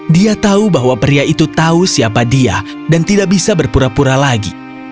dia tahu bahwa pria itu tahu siapa dia dan tidak bisa berpura pura lagi